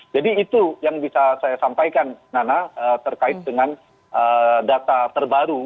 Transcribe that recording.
itu yang bisa saya sampaikan nana terkait dengan data terbaru